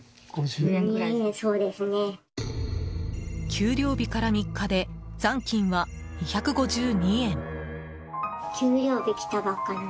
給料日から３日で残金は２５２円。